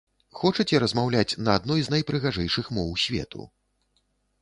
Хочаце размаўляць на адной з найпрыгажэйшых моў свету?